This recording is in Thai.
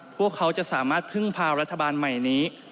พวกเขาจะสามารถพึ่งพารัฐบาลใหม่นี้